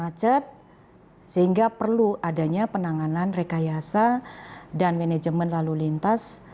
kami berharap ini adalah keuntungan yang sangat penting untuk menjaga penanganan rekayasa dan manajemen lalu lintas